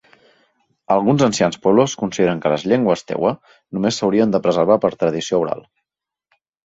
Alguns ancians pueblos consideren que les llengües tewa només s'haurien de preservar per tradició oral.